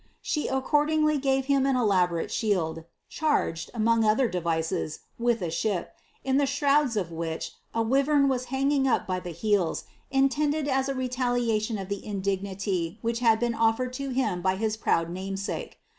She accordingly gave him an elaborate shield, charged, among other de vices, with a ship, in the shrouds of which a wivern was hanging up by the heels, intended as a retaliation of the indignity which had been oflered to him by his proud namesake.